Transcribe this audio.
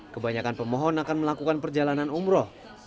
kebanyakan pemohon akan melakukan perjalanan umroh